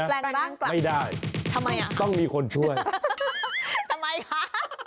อะไรนะไม่ได้ต้องมีคนช่วยทำไมล่ะแปลงร่างกลับ